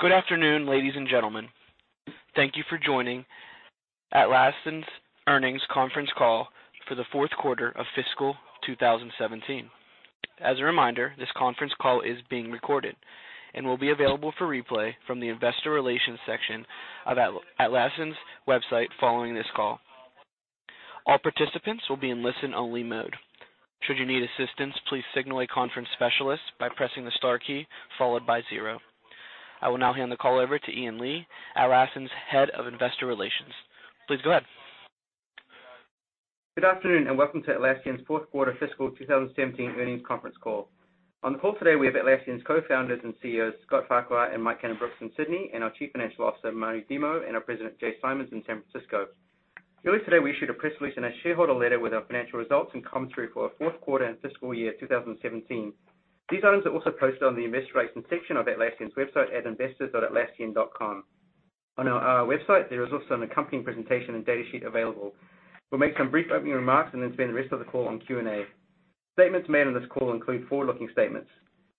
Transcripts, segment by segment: Good afternoon, ladies and gentlemen. Thank you for joining Atlassian's earnings conference call for the fourth quarter of fiscal 2017. As a reminder, this conference call is being recorded and will be available for replay from the investor relations section of Atlassian's website following this call. All participants will be in listen-only mode. Should you need assistance, please signal a conference specialist by pressing the star key followed by zero. I will now hand the call over to Ian Lee, Atlassian's Head of Investor Relations. Please go ahead. Good afternoon. Welcome to Atlassian's fourth quarter fiscal 2017 earnings conference call. On the call today, we have Atlassian's co-founders and CEOs, Scott Farquhar and Mike Cannon-Brookes in Sydney, and our Chief Financial Officer, Murray Demo, and our President, Jay Simons, in San Francisco. Earlier today, we issued a press release and a shareholder letter with our financial results and commentary for our fourth quarter and fiscal year 2017. These items are also posted on the investor relations section of Atlassian's website at investors.atlassian.com. On our IR website, there is also an accompanying presentation and data sheet available. We'll make some brief opening remarks and then spend the rest of the call on Q&A. Statements made on this call include forward-looking statements.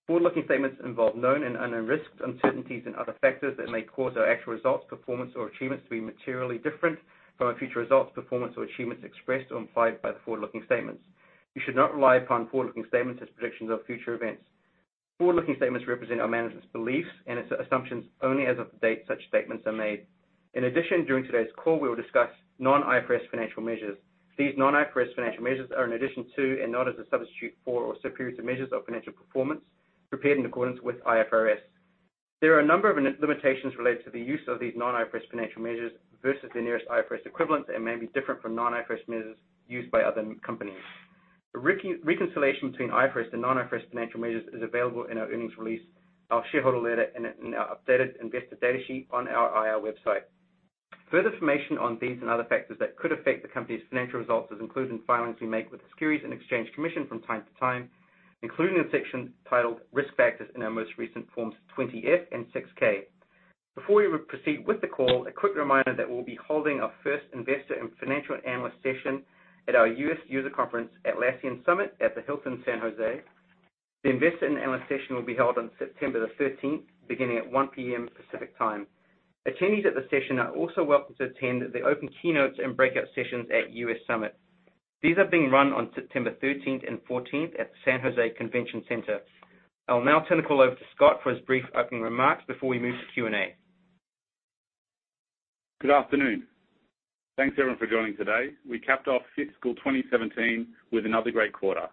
Forward-looking statements involve known and unknown risks, uncertainties, and other factors that may cause our actual results, performance, or achievements to be materially different from our future results, performance, or achievements expressed or implied by the forward-looking statements. You should not rely upon forward-looking statements as predictions of future events. Forward-looking statements represent our management's beliefs and assumptions only as of the date such statements are made. In addition, during today's call, we will discuss non-IFRS financial measures. These non-IFRS financial measures are in addition to, and not as a substitute for, or superior to, measures of financial performance prepared in accordance with IFRS. There are a number of limitations related to the use of these non-IFRS financial measures versus the nearest IFRS equivalents and may be different from non-IFRS measures used by other companies. A reconciliation between IFRS and non-IFRS financial measures is available in our earnings release, our shareholder letter, and our updated investor data sheet on our IR website. Further information on these and other factors that could affect the company's financial results is included in filings we make with the Securities and Exchange Commission from time to time, including the section titled Risk Factors in our most recent Forms 20-F and 6-K. Before we proceed with the call, a quick reminder that we'll be holding our first investor and financial analyst session at our U.S. user conference, Atlassian Summit, at the Hilton San Jose. The investor and analyst session will be held on September the 13th, beginning at 1:00 P.M. Pacific Time. Attendees at the session are also welcome to attend the open keynotes and breakout sessions at U.S. Summit. These are being run on September 13th and 14th at the San Jose Convention Center. I'll now turn the call over to Scott for his brief opening remarks before we move to Q&A. Good afternoon. Thanks, everyone, for joining today. We capped off fiscal 2017 with another great quarter.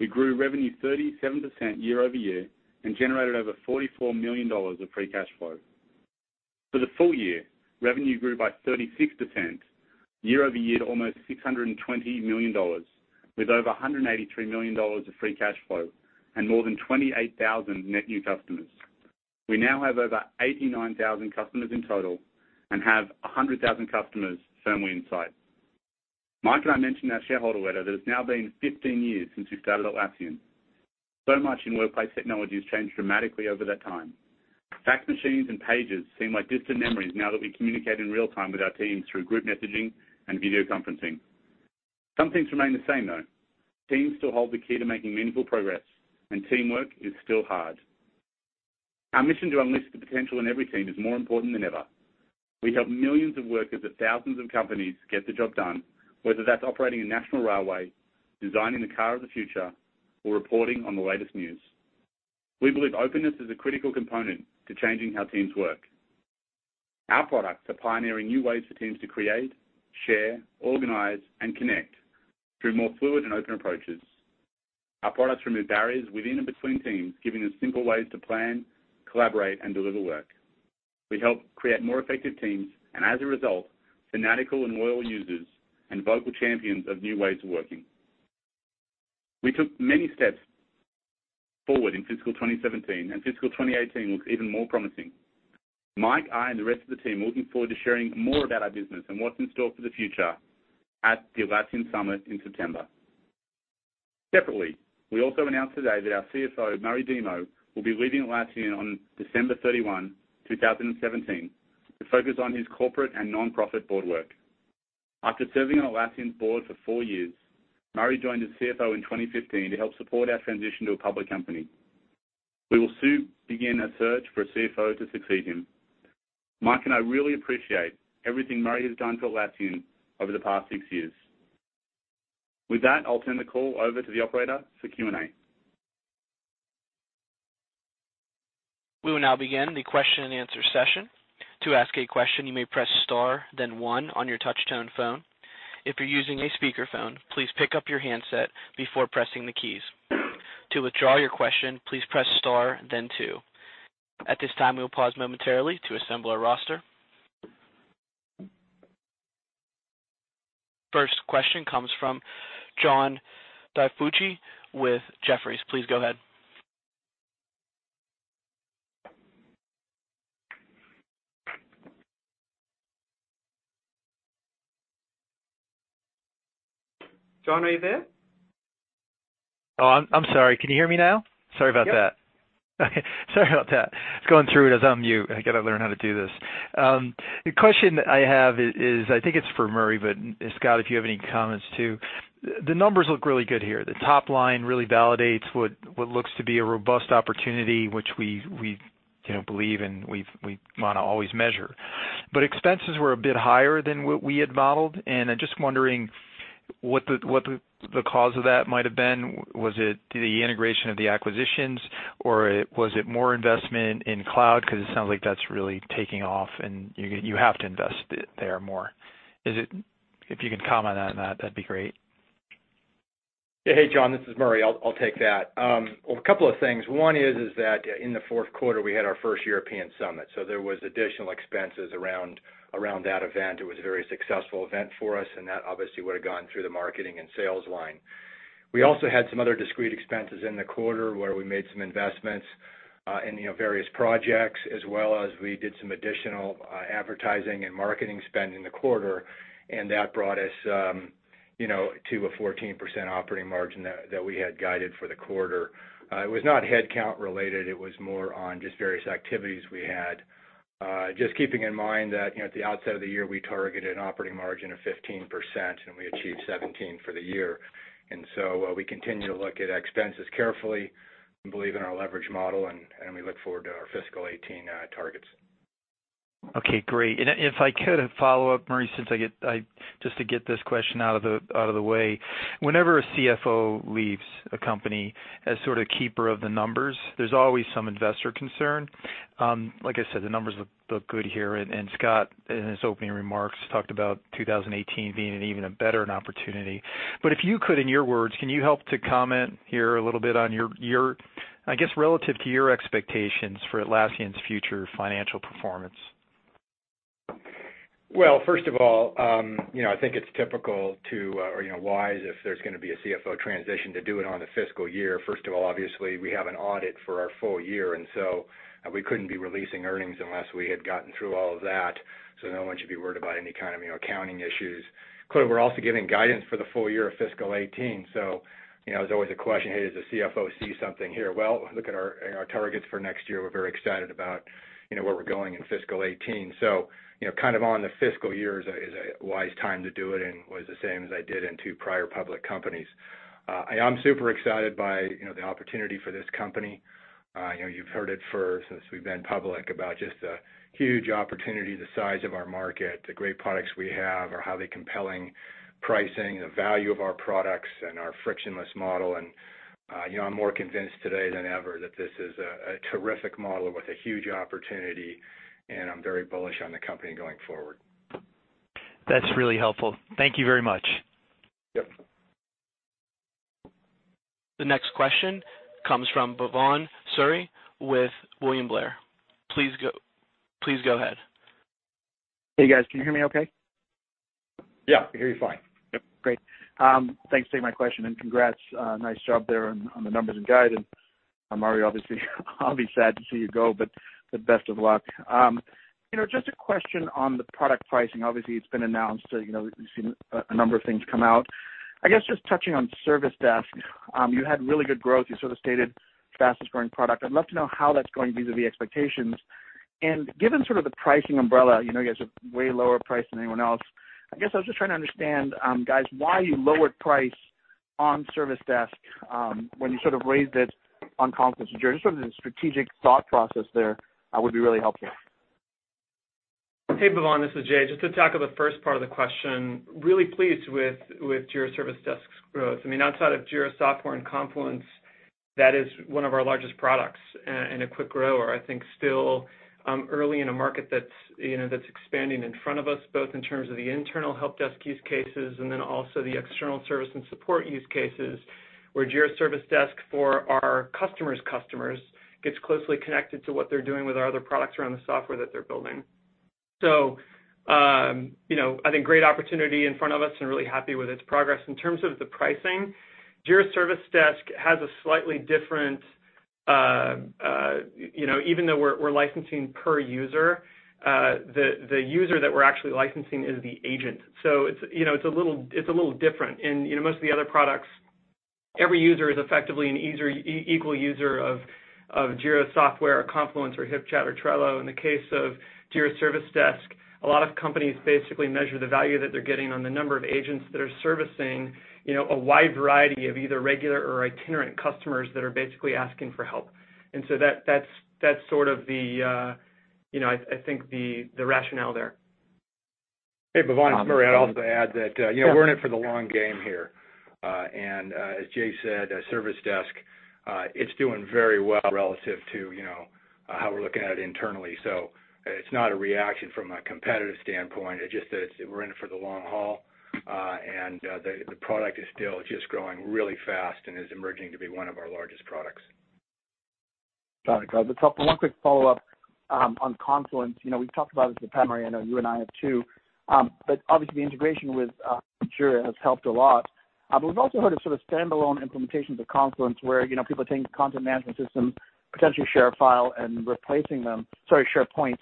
We grew revenue 37% year-over-year and generated over $44 million of free cash flow. For the full year, revenue grew by 36% year-over-year to almost $620 million, with over $183 million of free cash flow and more than 28,000 net new customers. We now have over 89,000 customers in total and have 100,000 customers firmly in sight. Mike and I mentioned in our shareholder letter that it's now been 15 years since we started Atlassian. Much in workplace technology has changed dramatically over that time. Fax machines and pagers seem like distant memories now that we communicate in real time with our teams through group messaging and video conferencing. Some things remain the same, though. Teams still hold the key to making meaningful progress, and teamwork is still hard. Our mission to unleash the potential in every team is more important than ever. We help millions of workers at thousands of companies get the job done, whether that's operating a national railway, designing the car of the future, or reporting on the latest news. We believe openness is a critical component to changing how teams work. Our products are pioneering new ways for teams to create, share, organize, and connect through more fluid and open approaches. Our products remove barriers within and between teams, giving us simple ways to plan, collaborate, and deliver work. We help create more effective teams. As a result, fanatical and loyal users and vocal champions of new ways of working. We took many steps forward in fiscal 2017. Fiscal 2018 looks even more promising. Mike, I, and the rest of the team are looking forward to sharing more about our business and what's in store for the future at the Atlassian Summit in September. Separately, we also announced today that our CFO, Murray Demo, will be leaving Atlassian on December 31, 2017, to focus on his corporate and nonprofit board work. After serving on Atlassian's board for four years, Murray joined as CFO in 2015 to help support our transition to a public company. We will soon begin a search for a CFO to succeed him. Mike and I really appreciate everything Murray has done for Atlassian over the past six years. With that, I'll turn the call over to the operator for Q&A. We will now begin the question and answer session. To ask a question, you may press star, then one on your touch-tone phone. If you're using a speakerphone, please pick up your handset before pressing the keys. To withdraw your question, please press star, then two. At this time, we'll pause momentarily to assemble our roster. First question comes from John DiFucci with Jefferies. Please go ahead. John, are you there? Oh, I'm sorry. Can you hear me now? Sorry about that. Yep. Okay. Sorry about that. It's going through as on mute. I got to learn how to do this. The question I have is, I think it's for Murray, but Scott, if you have any comments too. The numbers look really good here. The top line really validates what looks to be a robust opportunity, which we believe in, we want to always measure. Expenses were a bit higher than what we had modeled, and I'm just wondering what the cause of that might have been. Was it the integration of the acquisitions, or was it more investment in cloud? Because it sounds like that's really taking off, and you have to invest there more. If you could comment on that'd be great. Hey, John, this is Murray. I'll take that. A couple of things. One is that in the fourth quarter, we had our first European Summit, so there was additional expenses around that event. It was a very successful event for us, and that obviously would've gone through the marketing and sales line. We also had some other discrete expenses in the quarter where we made some investments in various projects as well as we did some additional advertising and marketing spend in the quarter, and that brought us to a 14% operating margin that we had guided for the quarter. It was not headcount related. It was more on just various activities we had. Just keeping in mind that at the outset of the year, we targeted an operating margin of 15%, and we achieved 17% for the year. We continue to look at expenses carefully. We believe in our leverage model, and we look forward to our fiscal 2018 targets. Okay, great. If I could follow up, Murray, just to get this question out of the way. Whenever a CFO leaves a company as sort of keeper of the numbers, there's always some investor concern. Like I said, the numbers look good here, and Scott, in his opening remarks, talked about 2018 being an even better an opportunity. If you could, in your words, can you help to comment here a little bit on your, I guess, relative to your expectations for Atlassian's future financial performance? First of all, I think it's typical to, or wise if there's going to be a CFO transition to do it on the fiscal year. First of all, obviously, we have an audit for our full year, we couldn't be releasing earnings unless we had gotten through all of that, so no one should be worried about any kind of accounting issues. Clearly, we're also giving guidance for the full year of fiscal 2018. There's always a question, hey, does the CFO see something here? Look at our targets for next year. We're very excited about where we're going in fiscal 2018. Kind of on the fiscal year is a wise time to do it and was the same as I did in two prior public companies. I am super excited by the opportunity for this company. You've heard it since we've been public about just the huge opportunity, the size of our market, the great products we have, our highly compelling pricing, the value of our products and our frictionless model. I'm more convinced today than ever that this is a terrific model with a huge opportunity, and I'm very bullish on the company going forward. That's really helpful. Thank you very much. Yep. The next question comes from Bhavan Suri with William Blair. Please go ahead. Hey, guys. Can you hear me okay? Yeah, I can hear you fine. Yep. Great. Thanks for taking my question, and congrats. Nice job there on the numbers and guidance. Murray, obviously, I'll be sad to see you go, but best of luck. Just a question on the product pricing. Obviously, it's been announced. We've seen a number of things come out. I guess just touching on Jira Service Desk. You had really good growth. You sort of stated fastest growing product. I'd love to know how that's going vis-a-vis expectations. Given sort of the pricing umbrella, you guys are way lower price than anyone else. I guess I was just trying to understand, guys, why you lowered price on Jira Service Desk, when you sort of raised it on Confluence and Jira. Just sort of the strategic thought process there would be really helpful. Hey, Bhavan, this is Jay. Just to tackle the first part of the question, really pleased with Jira Service Desk's growth. I mean, outside of Jira Software and Confluence, that is one of our largest products and a quick grower. I think still early in a market that's expanding in front of us, both in terms of the internal help desk use cases and also the external service and support use cases, where Jira Service Desk for our customers' customers gets closely connected to what they're doing with our other products around the software that they're building. I think great opportunity in front of us and really happy with its progress. In terms of the pricing, Jira Service Desk has a slightly different, even though we're licensing per user, the user that we're actually licensing is the agent. It's a little different. In most of the other products, every user is effectively an equal user of Jira Software or Confluence or HipChat or Trello. In the case of Jira Service Desk, a lot of companies basically measure the value that they're getting on the number of agents that are servicing a wide variety of either regular or itinerant customers that are basically asking for help. That's sort of the, I think the rationale there. Hey, Bhavan, it's Murray. I'd also add that we're in it for the long game here. As Jay said, Service Desk, it's doing very well relative to how we're looking at it internally. It's not a reaction from a competitive standpoint. It's just that we're in it for the long haul. The product is still just growing really fast and is emerging to be one of our largest products. Got it. One quick follow-up on Confluence. We've talked about it in the past, Murray. I know you and I have, too. Obviously, the integration with Jira has helped a lot. We've also heard of sort of standalone implementations of Confluence where people are taking content management system, potentially Share file, and replacing them. Sorry, SharePoint.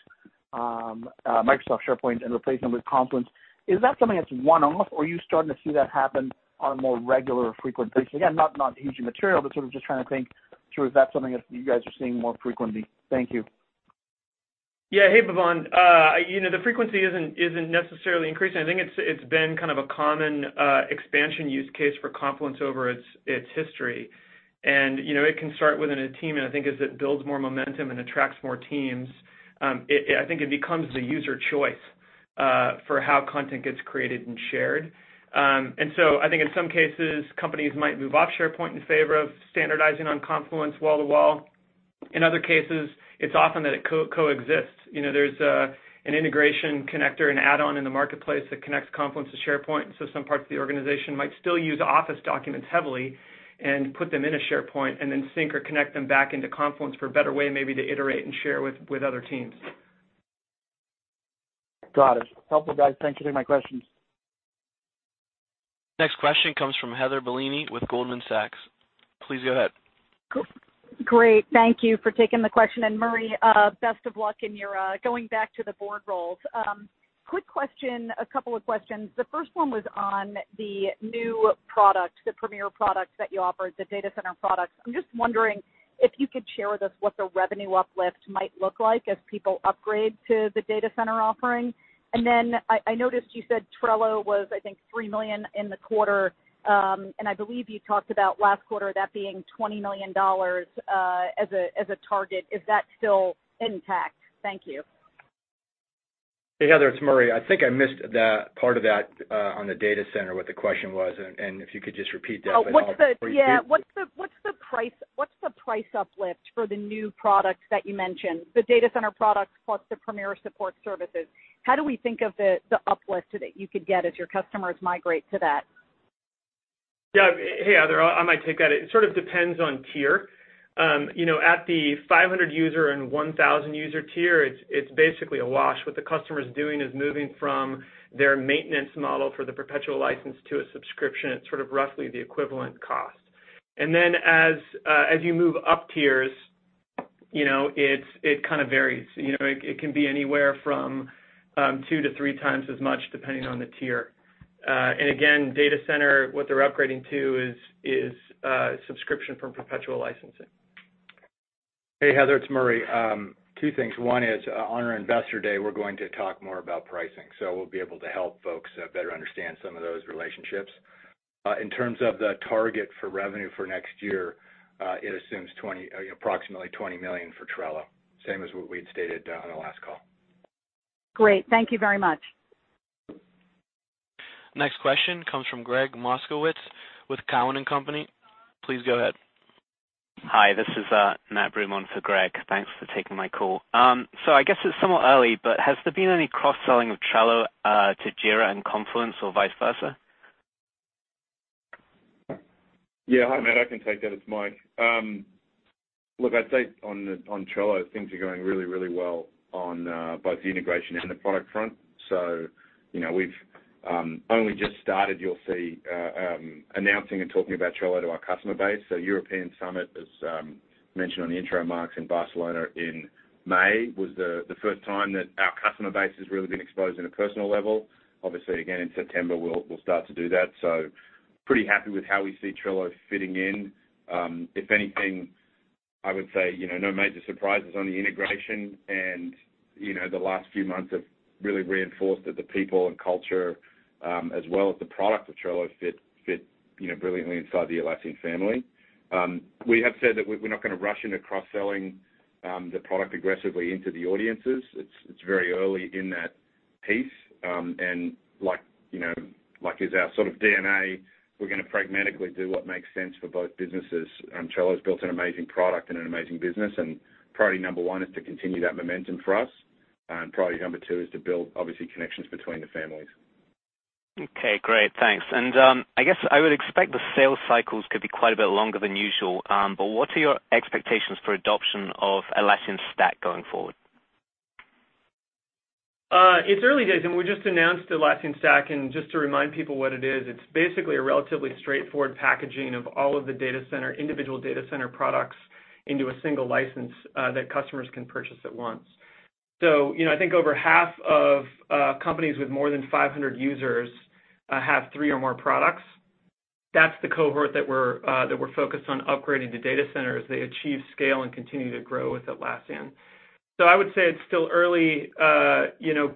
Microsoft SharePoint, and replacing them with Confluence. Is that something that's one-off, or are you starting to see that happen on a more regular or frequent basis? Again, not aging material, but sort of just trying to think through if that's something that you guys are seeing more frequently. Thank you. Yeah. Hey, Bhavan. The frequency isn't necessarily increasing. I think it's been kind of a common expansion use case for Confluence over its history. It can start within a team, and I think as it builds more momentum and attracts more teams, I think it becomes the user choice for how content gets created and shared. I think in some cases, companies might move off SharePoint in favor of standardizing on Confluence wall-to-wall. In other cases, it's often that it coexists. There's an integration connector and add-on in the marketplace that connects Confluence to SharePoint, so some parts of the organization might still use Office documents heavily and put them in a SharePoint and then sync or connect them back into Confluence for a better way maybe to iterate and share with other teams. Got it. Helpful, guys. Thank you for my questions. Next question comes from Heather Bellini with Goldman Sachs. Please go ahead. Great. Thank you for taking the question. Murray, best of luck in your going back to the board roles. Quick question, a couple of questions. The first one was on the new product, the premier product that you offered, the Data Center product. I'm just wondering if you could share with us what the revenue uplift might look like as people upgrade to the Data Center offering. Then I noticed you said Trello was, I think, $3 million in the quarter. I believe you talked about last quarter that being $20 million as a target. Is that still intact? Thank you. Hey, Heather, it's Murray. I think I missed that part of that on the Data Center, what the question was, if you could just repeat that. Oh, what's the price uplift for the new product that you mentioned, the Data Center product plus the premier support services? How do we think of the uplift that you could get as your customers migrate to that? Hey, Heather, I might take that. It sort of depends on tier. At the 500 user and 1,000 user tier, it's basically a wash. What the customer's doing is moving from their maintenance model for the perpetual license to a subscription. It's sort of roughly the equivalent cost. As you move up tiers, it kind of varies. It can be anywhere from two to three times as much, depending on the tier. Again, Data Center, what they're upgrading to is subscription from perpetual licensing. Hey, Heather, it's Murray. Two things. One is, on our Investor Day, we're going to talk more about pricing. We'll be able to help folks better understand some of those relationships. In terms of the target for revenue for next year, it assumes approximately $20 million for Trello, same as what we had stated on the last call. Great. Thank you very much. Next question comes from Gregg Moskowitz with Cowen and Company. Please go ahead. Hi. This is Matt Brooman for Gregg. Thanks for taking my call. I guess it's somewhat early, but has there been any cross-selling of Trello to Jira and Confluence or vice versa? Yeah. Hi, Matt. I can take that. It's Mike. Look, I'd say on Trello, things are going really well on both the integration and the product front. We've only just started, you'll see, announcing and talking about Trello to our customer base. European Summit, as mentioned on the introductory remarks in Barcelona in May, was the first time that our customer base has really been exposed on a personal level. Obviously, again, in September, we'll start to do that. Pretty happy with how we see Trello fitting in. If anything, I would say, no major surprises on the integration, and the last few months have really reinforced that the people and culture, as well as the product of Trello, fit brilliantly inside the Atlassian family. We have said that we're not going to rush into cross-selling the product aggressively into the audiences. It's very early in that piece. Like is our sort of DNA, we're going to pragmatically do what makes sense for both businesses. Trello's built an amazing product and an amazing business, and priority number one is to continue that momentum for us. Priority number two is to build, obviously, connections between the families. Okay, great. Thanks. I guess I would expect the sales cycles could be quite a bit longer than usual. What are your expectations for adoption of Atlassian Stack going forward? It's early days. We just announced Atlassian Stack. Just to remind people what it is, it's basically a relatively straightforward packaging of all of the Data Center, individual Data Center products into a single license that customers can purchase at once. I think over half of companies with more than 500 users have three or more products. That's the cohort that we're focused on upgrading to Data Centers. They achieve scale and continue to grow with Atlassian. I would say it's still early.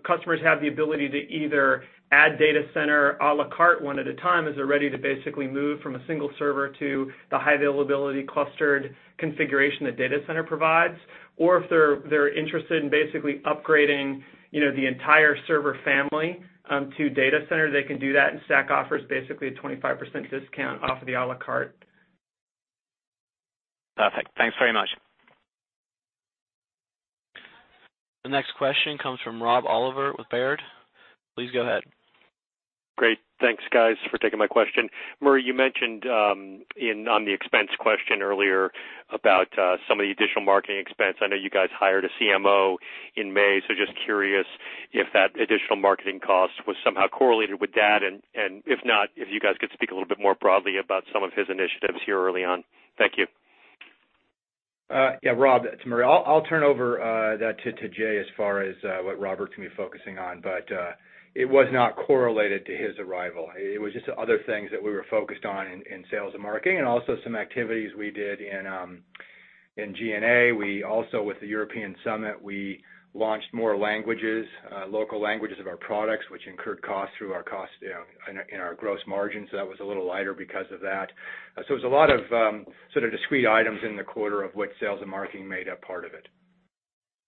Customers have the ability to either add Data Center a la carte one at a time as they're ready to basically move from a single server to the high availability clustered configuration that Data Center provides. If they're interested in basically upgrading the entire server family to Data Center, they can do that. Stack offers basically a 25% discount off of the a la carte. Perfect. Thanks very much. The next question comes from Rob Oliver with Baird. Please go ahead. Great. Thanks, guys, for taking my question. Murray, you mentioned on the expense question earlier about some of the additional marketing expense. I know you guys hired a CMO in May, just curious if that additional marketing cost was somehow correlated with that, and if not, if you guys could speak a little bit more broadly about some of his initiatives here early on. Thank you. Yeah, Rob, it's Murray. I'll turn over that to Jay as far as what Rob will be focusing on. It was not correlated to his arrival. It was just other things that we were focused on in sales and marketing and also some activities we did in G&A. We also, with the European Summit, we launched more languages, local languages of our products, which incurred costs through our cost down in our gross margin. That was a little lighter because of that. It's a lot of sort of discrete items in the quarter of what sales and marketing made up part of it.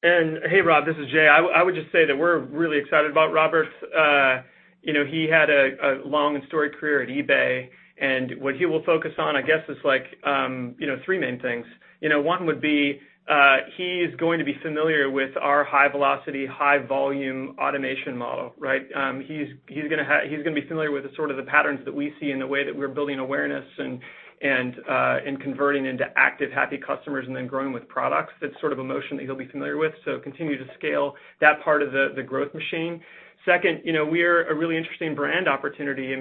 Hey, Rob, this is Jay. I would just say that we're really excited about Robert. He had a long and storied career at eBay, what he will focus on, I guess, is three main things. One would be, he's going to be familiar with our high velocity, high volume automation model. He's going to be familiar with the patterns that we see in the way that we're building awareness and converting into active, happy customers and then growing with products. That's a motion that he'll be familiar with, continue to scale that part of the growth machine. Second, we're a really interesting brand opportunity.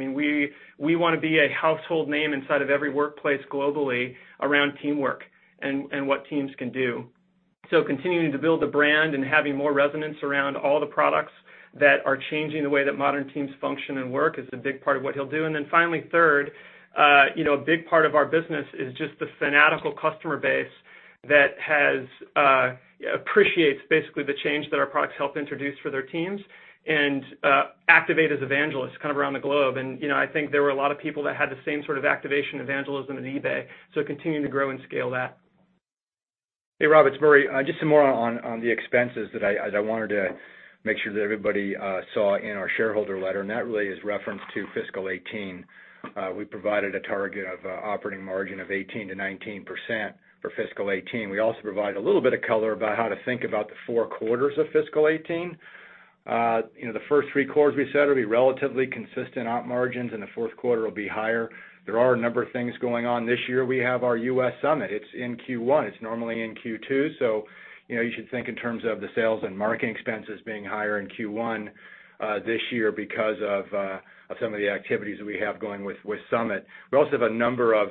We want to be a household name inside of every workplace globally around teamwork and what teams can do. Continuing to build the brand and having more resonance around all the products that are changing the way that modern teams function and work is a big part of what he'll do. Then finally, third, a big part of our business is just the fanatical customer base that appreciates basically the change that our products helped introduce for their teams and activate as evangelists around the globe. I think there were a lot of people that had the same sort of activation evangelism at eBay, continuing to grow and scale that. Hey, Rob, it's Murray. Just some more on the expenses that I wanted to make sure that everybody saw in our shareholder letter. That really is referenced to fiscal 2018. We provided a target of operating margin of 18%-19% for fiscal 2018. We also provided a little bit of color about how to think about the 4 quarters of fiscal 2018. The first three quarters we said will be relatively consistent op margins, the fourth quarter will be higher. There are a number of things going on this year. We have our U.S. Summit. It's in Q1. It's normally in Q2, so you should think in terms of the sales and marketing expenses being higher in Q1 this year because of some of the activities that we have going with Summit. We also have a number of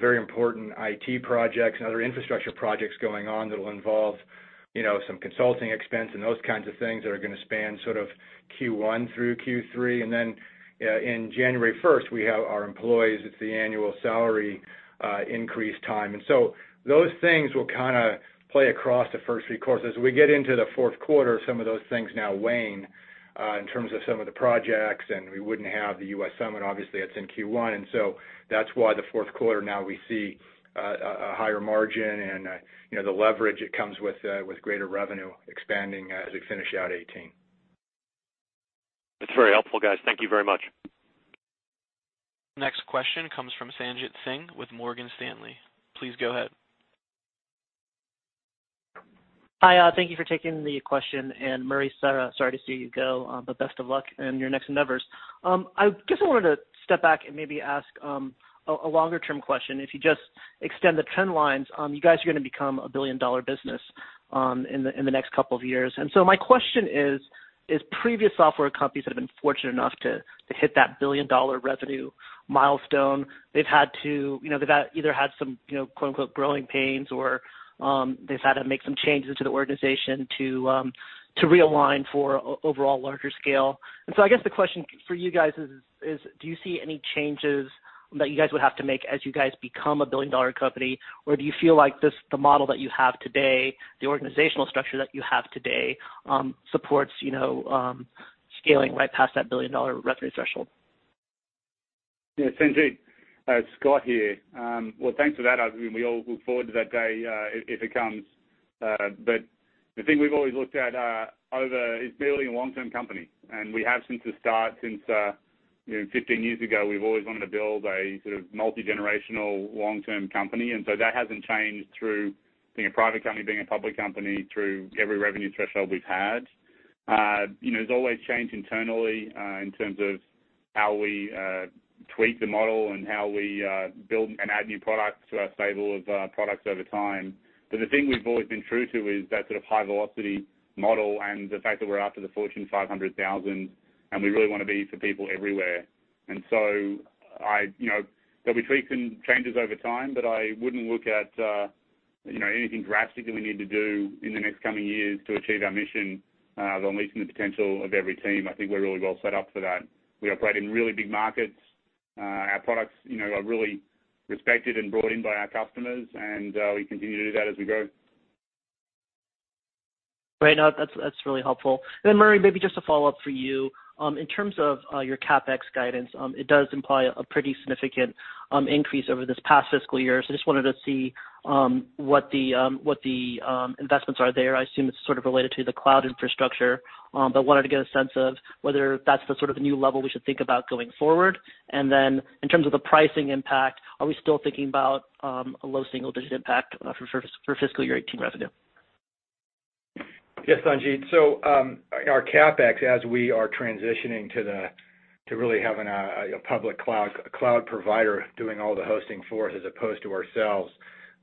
very important IT projects and other infrastructure projects going on that'll involve some consulting expense and those kinds of things that are going to span Q1 through Q3. Then in January 1st, we have our employees, it's the annual salary increase time. Those things will play across the first three quarters. As we get into the fourth quarter, some of those things now wane in terms of some of the projects. We wouldn't have the U.S. Summit, obviously that's in Q1. That's why the fourth quarter now we see a higher margin and the leverage it comes with greater revenue expanding as we finish out 2018. That's very helpful, guys. Thank you very much. Next question comes from Sanjit Singh with Morgan Stanley. Please go ahead. Thank you for taking the question. Murray, sorry to see you go, best of luck in your next endeavors. I guess I wanted to step back and maybe ask a longer-term question. If you just extend the trend lines, you guys are going to become a billion-dollar business in the next couple of years. My question is, previous software companies that have been fortunate enough to hit that billion-dollar revenue milestone, they've either had some "growing pains" or they've had to make some changes to the organization to realign for overall larger scale. I guess the question for you guys is, do you see any changes that you guys would have to make as you guys become a billion-dollar company? Do you feel like the model that you have today, the organizational structure that you have today, supports scaling right past that billion-dollar revenue threshold? Yeah, Sanjit, it's Scott here. Well, thanks for that. We all look forward to that day, if it comes. The thing we've always looked at over is building a long-term company. We have since the start, since 15 years ago, we've always wanted to build a sort of multi-generational long-term company. That hasn't changed through being a private company, being a public company, through every revenue threshold we've had. There's always change internally in terms of how we tweak the model and how we build and add new products to our stable of products over time. The thing we've always been true to is that sort of high velocity model and the fact that we're after the Fortune 500,000, we really want to be for people everywhere. There'll be tweaks and changes over time, I wouldn't look at anything drastic that we need to do in the next coming years to achieve our mission of unleashing the potential of every team. I think we're really well set up for that. We operate in really big markets. Our products are really respected and brought in by our customers, we continue to do that as we grow. Right. No, that is really helpful. Murray, maybe just a follow-up for you. In terms of your CapEx guidance, it does imply a pretty significant increase over this past fiscal year. Just wanted to see what the investments are there. I assume it is sort of related to the cloud infrastructure. Wanted to get a sense of whether that is the sort of new level we should think about going forward. In terms of the pricing impact, are we still thinking about a low single-digit impact for fiscal year 2018 revenue? Yes, Sanjit. Our CapEx, as we are transitioning to really having a public cloud provider doing all the hosting for us as opposed to ourselves,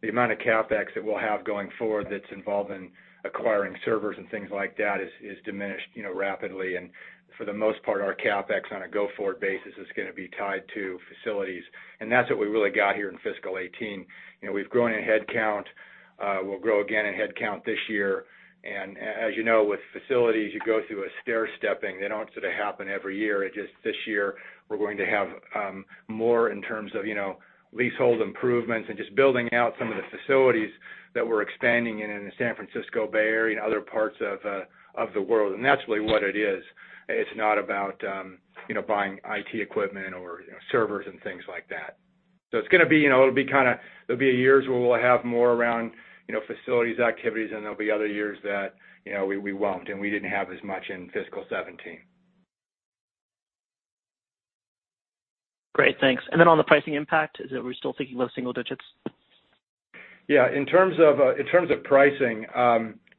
the amount of CapEx that we will have going forward that is involved in acquiring servers and things like that is diminished rapidly. For the most part, our CapEx on a go-forward basis is going to be tied to facilities. That is what we really got here in fiscal 2018. We have grown in headcount. We will grow again in headcount this year. As you know, with facilities, you go through a stair-stepping. They do not sort of happen every year. It is just this year we are going to have more in terms of leasehold improvements and just building out some of the facilities that we are expanding in the San Francisco Bay Area and other parts of the world. That is really what it is. It is not about buying IT equipment or servers and things like that. It will be years where we will have more around facilities, activities, and there will be other years that we will not, and we did not have as much in fiscal 2017. Great. Thanks. On the pricing impact, is it we are still thinking low single digits? Yeah. In terms of pricing,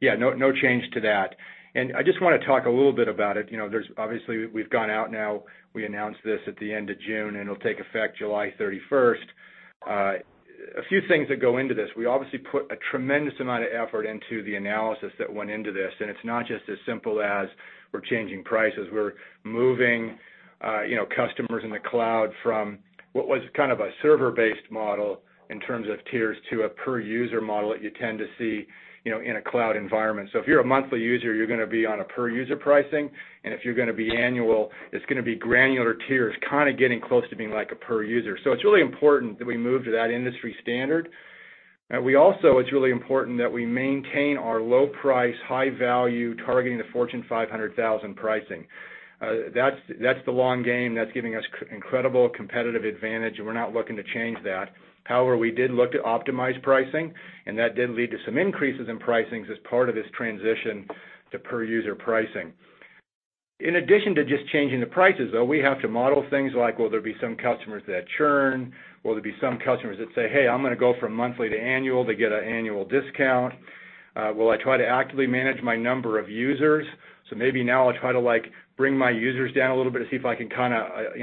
yeah, no change to that. I just want to talk a little bit about it. Obviously, we've gone out now, we announced this at the end of June, and it'll take effect July 31st. A few things that go into this. We obviously put a tremendous amount of effort into the analysis that went into this, and it's not just as simple as we're changing prices. We're moving customers in the cloud from what was kind of a server-based model in terms of tiers to a per-user model that you tend to see in a cloud environment. If you're a monthly user, you're going to be on a per-user pricing, and if you're going to be annual, it's going to be granular tiers, kind of getting close to being like a per-user. It's really important that we move to that industry standard. Also, it's really important that we maintain our low price, high value, targeting the Fortune 500,000 pricing. That's the long game that's giving us incredible competitive advantage, and we're not looking to change that. However, we did look to optimize pricing, and that did lead to some increases in pricing as part of this transition to per-user pricing. In addition to just changing the prices, though, we have to model things like, will there be some customers that churn? Will there be some customers that say, "Hey, I'm going to go from monthly to annual to get an annual discount. Will I try to actively manage my number of users? Maybe now I'll try to bring my users down a little bit to see if I can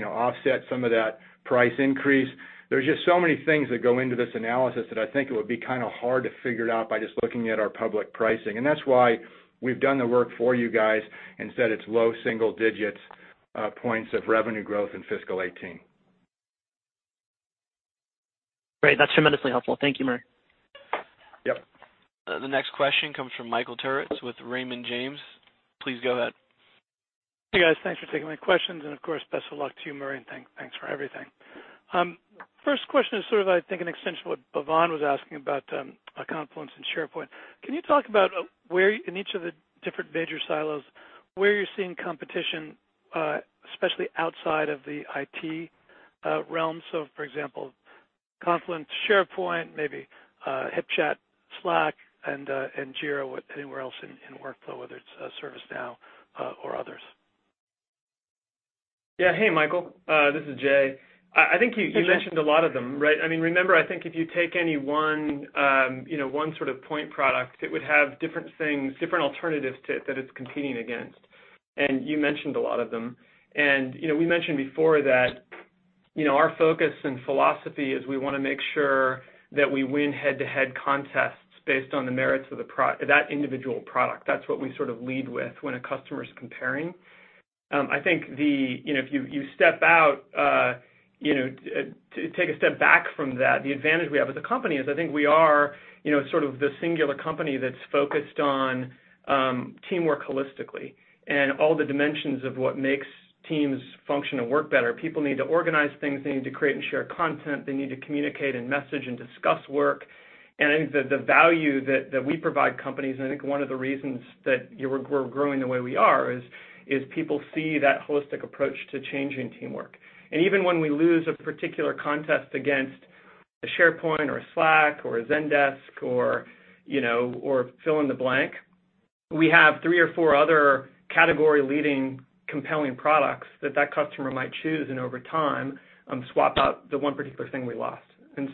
offset some of that price increase." There's just so many things that go into this analysis that I think it would be kind of hard to figure it out by just looking at our public pricing. That's why we've done the work for you guys and said it's low single-digit points of revenue growth in fiscal 2018. Great. That's tremendously helpful. Thank you, Murray. Yep. The next question comes from Michael Turrin with Raymond James. Please go ahead. Hey, guys. Thanks for taking my questions, and of course, best of luck to you, Murray, and thanks for everything. First question is sort of, I think, an extension of what Bhavan was asking about Confluence and SharePoint. Can you talk about where, in each of the different major silos, where you're seeing competition, especially outside of the IT realm? For example, Confluence, SharePoint, maybe HipChat, Slack, and Jira with anywhere else in workflow, whether it's ServiceNow or others. Hey, Michael. This is Jay. I think you mentioned a lot of them, right? Remember, I think if you take any one sort of point product, it would have different things, different alternatives to it that it's competing against. You mentioned a lot of them. We mentioned before that our focus and philosophy is we want to make sure that we win head-to-head contests based on the merits of that individual product. That's what we sort of lead with when a customer is comparing. I think if you step out, take a step back from that, the advantage we have as a company is I think we are sort of the singular company that's focused on teamwork holistically and all the dimensions of what makes teams function and work better. People need to organize things. They need to create and share content. They need to communicate and message and discuss work. I think the value that we provide companies, and I think one of the reasons that we're growing the way we are is people see that holistic approach to changing teamwork. Even when we lose a particular contest against a SharePoint or a Slack or a Zendesk or fill in the blank, we have three or four other category-leading compelling products that that customer might choose and over time swap out the one particular thing we lost.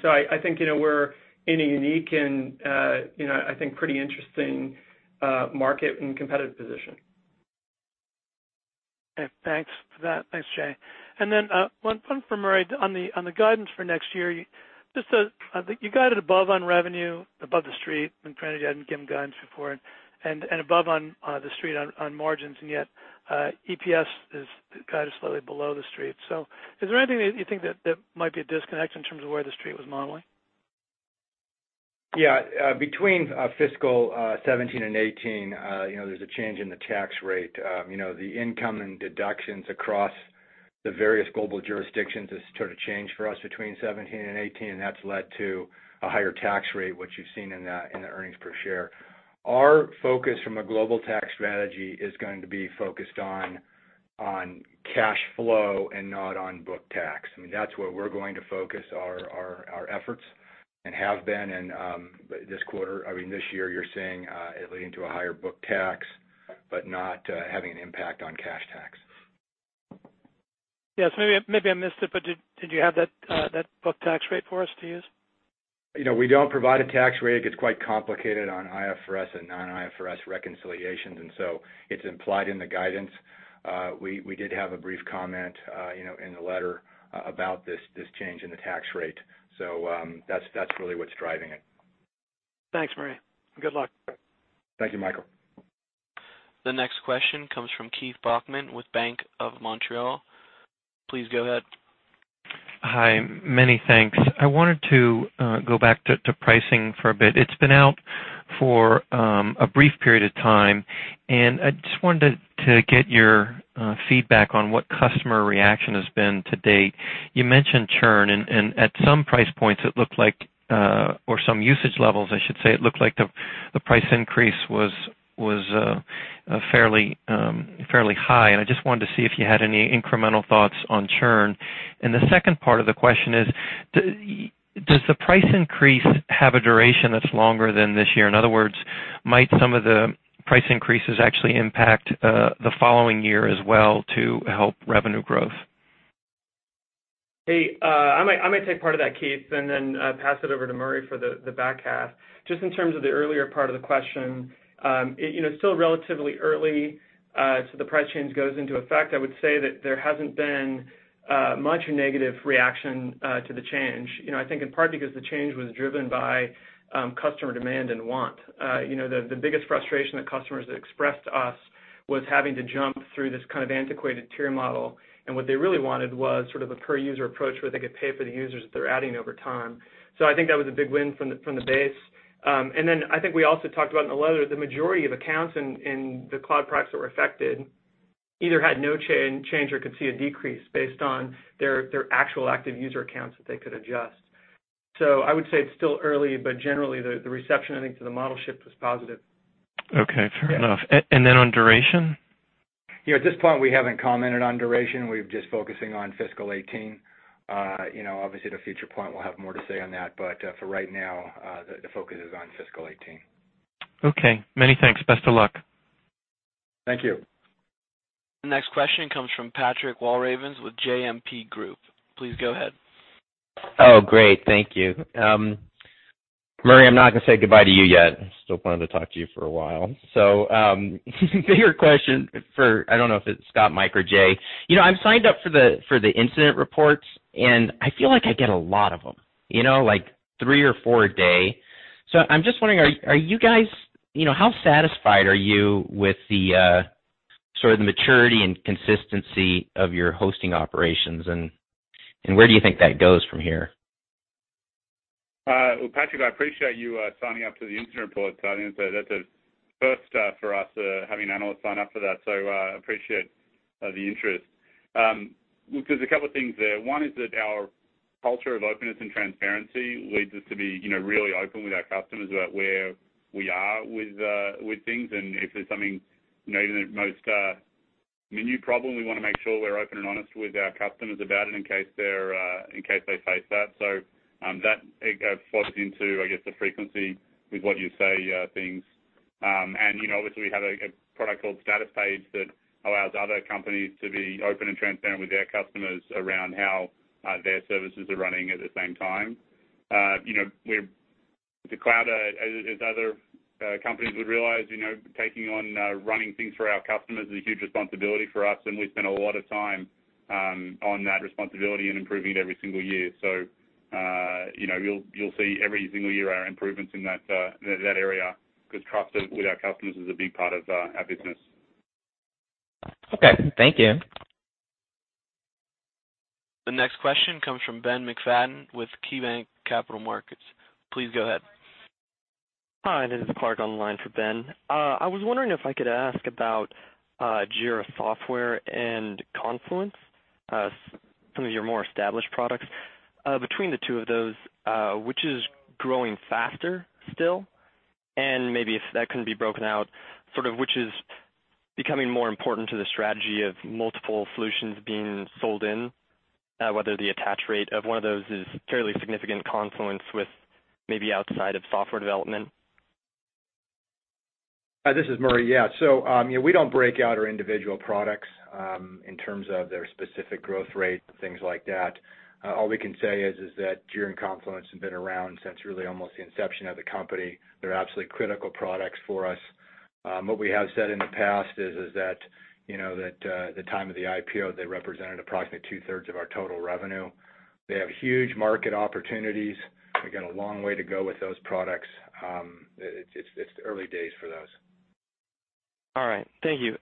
So I think we're in a unique and I think pretty interesting market and competitive position. Okay. Thanks for that. Thanks, Jay. One for Murray. On the guidance for next year, I think you guided above on revenue, above the street when [inaudible] had given guidance before and above on the street on margins, yet EPS is guided slightly below the street. Is there anything that you think that might be a disconnect in terms of where the street was modeling? Yeah. Between fiscal 2017 and 2018, there's a change in the tax rate. The income and deductions across the various global jurisdictions has sort of changed for us between 2017 and 2018, that's led to a higher tax rate, which you've seen in the earnings per share. Our focus from a global tax strategy is going to be focused on cash flow and not on book tax. That's where we're going to focus our efforts and have been. This quarter, this year, you're seeing it leading to a higher book tax, but not having an impact on cash tax. Yes. Maybe I missed it, did you have that book tax rate for us to use? We don't provide a tax rate. It gets quite complicated on IFRS and non-IFRS reconciliations, it's implied in the guidance. We did have a brief comment in the letter about this change in the tax rate. That's really what's driving it. Thanks, Murray. Good luck. Thank you, Michael. The next question comes from Keith Bachman with Bank of Montreal. Please go ahead. Hi, many thanks. I wanted to go back to pricing for a bit. It's been out for a brief period of time. I just wanted to get your feedback on what customer reaction has been to date. You mentioned churn. At some price points it looked like, or some usage levels I should say, it looked like the price increase was fairly high. I just wanted to see if you had any incremental thoughts on churn. The second part of the question is, does the price increase have a duration that's longer than this year? In other words. Might some of the price increases actually impact the following year as well to help revenue growth? Hey, I might take part of that, Keith, and then pass it over to Murray for the back half. Just in terms of the earlier part of the question, it's still relatively early to the price change goes into effect. I would say that there hasn't been much negative reaction to the change, I think in part because the change was driven by customer demand and want. The biggest frustration that customers expressed to us was having to jump through this kind of antiquated tier model, and what they really wanted was sort of a per-user approach where they could pay for the users that they're adding over time. I think that was a big win from the base. I think we also talked about in the letter, the majority of accounts in the cloud products that were affected either had no change or could see a decrease based on their actual active user accounts that they could adjust. I would say it's still early, but generally, the reception, I think, to the model shift was positive. Okay. Fair enough. On duration? Yeah, at this point, we haven't commented on duration. We're just focusing on fiscal 2018. Obviously, at a future point, we'll have more to say on that. For right now, the focus is on fiscal 2018. Okay. Many thanks. Best of luck. Thank you. The next question comes from Patrick Walravens with JMP Group. Please go ahead. Oh, great. Thank you. Murray, I'm not going to say goodbye to you yet. Still planning to talk to you for a while. Here a question for, I don't know if it's Scott, Mike, or Jay. I'm signed up for the incident reports, and I feel like I get a lot of them, like three or four a day. I'm just wondering, how satisfied are you with the sort of the maturity and consistency of your hosting operations, and where do you think that goes from here? Patrick, I appreciate you signing up to the incident reports. That's a first for us, having an analyst sign up for that. Appreciate the interest. There's a couple of things there. One is that our culture of openness and transparency leads us to be really open with our customers about where we are with things. If there's something, even the most minute problem, we want to make sure we're open and honest with our customers about it in case they face that. That flows into, I guess, the frequency with what you say things. Obviously, we have a product called Statuspage that allows other companies to be open and transparent with their customers around how their services are running at the same time. The cloud, as other companies would realize, taking on running things for our customers is a huge responsibility for us, and we spend a lot of time on that responsibility and improving it every single year. You'll see every single year our improvements in that area, because trust with our customers is a big part of our business. Okay. Thank you. The next question comes from Ben McFadden with KeyBanc Capital Markets. Please go ahead. Hi, this is Clark on the line for Ben. I was wondering if I could ask about Jira Software and Confluence, some of your more established products. Between the two of those, which is growing faster still? Maybe if that can be broken out, sort of which is becoming more important to the strategy of multiple solutions being sold in, whether the attach rate of one of those is fairly significant in Confluence with maybe outside of software development. This is Murray. Yeah. We don't break out our individual products in terms of their specific growth rate and things like that. All we can say is that Jira and Confluence have been around since really almost the inception of the company. They're absolutely critical products for us. What we have said in the past is that at the time of the IPO, they represented approximately two-thirds of our total revenue. They have huge market opportunities. We've got a long way to go with those products. It's early days for those. All right. Thank you.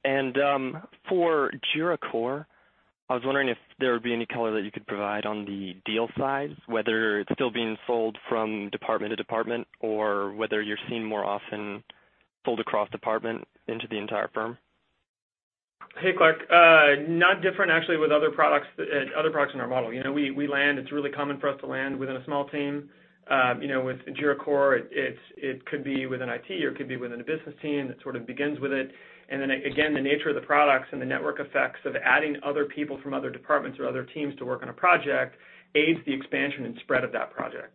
For Jira Core, I was wondering if there would be any color that you could provide on the deal size, whether it's still being sold from department to department, or whether you're seeing more often sold across department into the entire firm. Hey, Clark. Not different actually with other products in our model. It's really common for us to land within a small team. With Jira Core, it could be within IT, or it could be within a business team that sort of begins with it. Then again, the nature of the products and the network effects of adding other people from other departments or other teams to work on a project aids the expansion and spread of that project.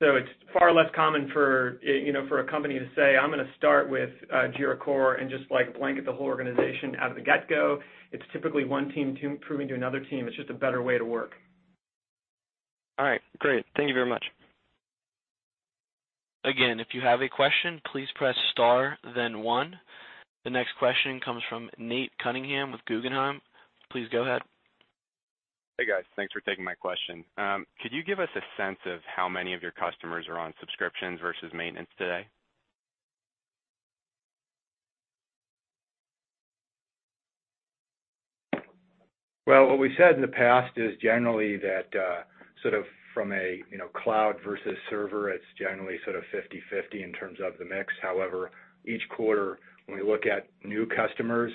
It's far less common for a company to say, "I'm going to start with Jira Core" and just blanket the whole organization out of the get-go. It's typically one team proving to another team it's just a better way to work. All right, great. Thank you very much. Again, if you have a question, please press star then one. The next question comes from Nate Cunningham with Guggenheim. Please go ahead. Hey, guys. Thanks for taking my question. Could you give us a sense of how many of your customers are on subscriptions versus maintenance today? Well, what we said in the past is generally that sort of from a cloud versus server, it's generally sort of 50/50 in terms of the mix. However, each quarter, when we look at new customers,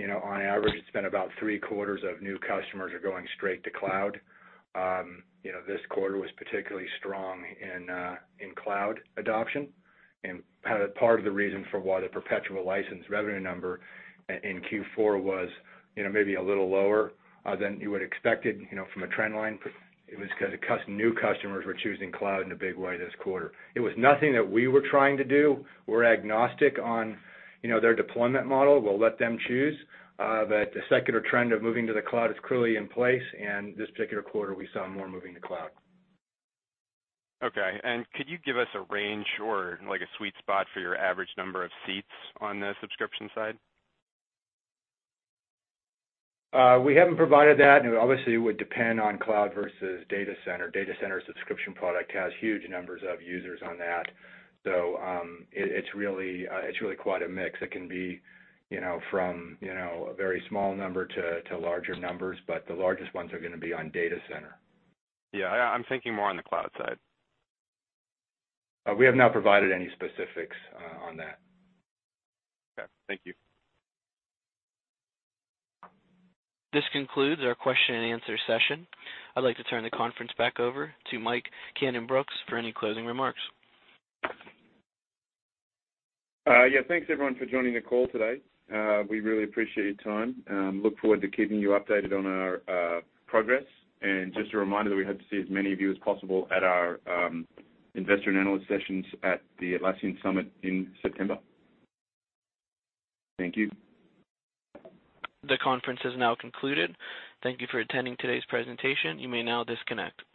on average, it's been about 3/4 of new customers are going straight to cloud. This quarter was particularly strong in cloud adoption. Part of the reason for why the perpetual license revenue number in Q4 was maybe a little lower than you would expected from a trend line, it was because new customers were choosing cloud in a big way this quarter. It was nothing that we were trying to do. We're agnostic on their deployment model. We'll let them choose. The secular trend of moving to the cloud is clearly in place, and this particular quarter, we saw more moving to cloud. Okay. Could you give us a range or like a sweet spot for your average number of seats on the subscription side? We haven't provided that, and obviously, it would depend on cloud versus Data Center. Data Center subscription product has huge numbers of users on that. It's really quite a mix. It can be from a very small number to larger numbers, but the largest ones are going to be on Data Center. Yeah, I'm thinking more on the cloud side. We have not provided any specifics on that. Okay. Thank you. This concludes our question and answer session. I'd like to turn the conference back over to Mike Cannon-Brookes for any closing remarks. Yeah. Thanks, everyone, for joining the call today. We really appreciate your time. Look forward to keeping you updated on our progress. Just a reminder that we hope to see as many of you as possible at our investor and analyst sessions at the Atlassian Summit in September. Thank you. The conference is now concluded. Thank you for attending today's presentation. You may now disconnect.